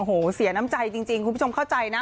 โอ้โหเสียน้ำใจจริงคุณผู้ชมเข้าใจนะ